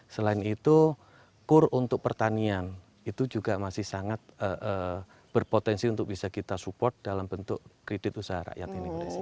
selain itu kur untuk pertanian itu juga masih sangat berpotensi untuk bisa kita support dalam bentuk kredit usaha rakyat ini